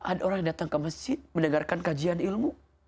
ada orang yang datang ke masjid mendengarkan kajian ilmu